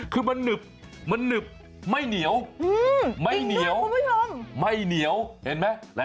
คือมันหนึบมันหนึบไม่เหนียวไม่เหนียวไม่เหนียวเห็นไหม